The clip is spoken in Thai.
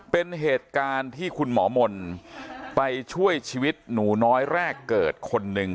เป็นเหตุการณ์ที่คุณหมอมนต์ไปช่วยชีวิตหนูน้อยแรกเกิดคนหนึ่ง